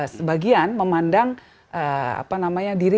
sebagian memandang apa namanya diri